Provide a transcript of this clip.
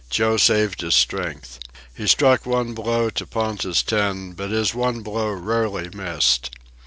Joe saved his strength. He struck one blow to Ponta's ten, but his one blow rarely missed.